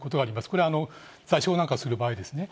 これは座礁なんかする場合ですね。